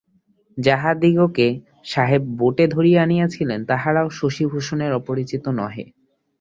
যাহাদিগকে সাহেব বোটে ধরিয়া আনিয়াছিলেন তাহারাও শশিভূষণের অপরিচিত নহে।